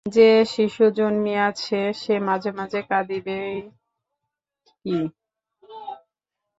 যে শিশু জনিয়াছে সে মাঝে মাঝে কাঁদিবে বৈ কি!